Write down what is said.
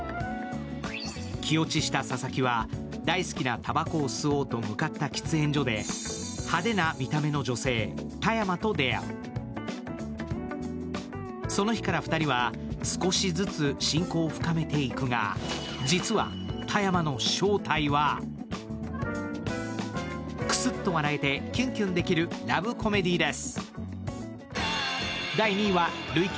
気落ちした佐々木は大好きなたばこを吸おうと向かった喫煙所で派手な見た目の女性・田山と出会うその日から２人は少しずつ親交を深めていくが、実は田山の正体はクスッと笑えてキュンキュンできるラブコメディです。